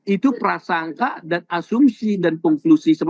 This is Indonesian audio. itu prasangka dan asumsi dan konklusi